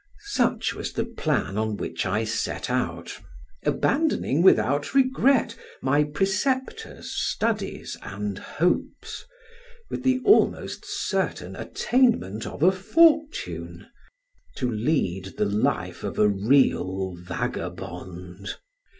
Such was the plan on which I set out, abandoning without regret, my preceptors, studies, and hopes, with the almost certain attainment of a fortune, to lead the life of a real vagabond.